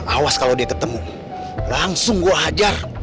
awas kalau dia ketemu langsung gue hajar